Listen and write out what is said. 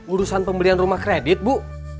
urusan pembelian rumah kredit bu